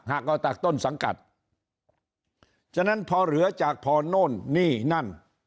ออกจากต้นสังกัดฉะนั้นพอเหลือจากพอโน่นนี่นั่น